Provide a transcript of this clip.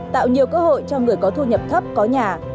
tạo nhiều cơ hội cho người có thu nhập thấp có nhà